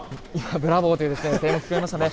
ブラボーという声援も聞かれましたね。